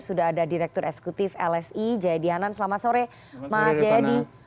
sudah ada direktur eksekutif lsi jayadi hanan selamat sore mas jayadi